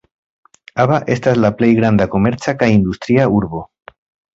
Aba estas la plej granda komerca kaj industria urbo.